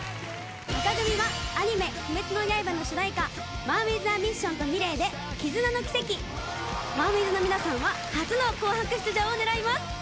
紅組はアニメ『鬼滅の刃』の主題歌ＭＡＮＷＩＴＨＡＭＩＳＳＩＯＮとｍｉｌｅｔで『絆ノ奇跡』マンウィズの皆さんは初の『紅白』出場を狙います。